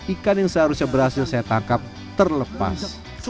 ikan yang seharusnya berhasil saya tangkap terlepas